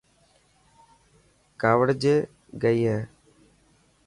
ڪاوڙجي گئي هي.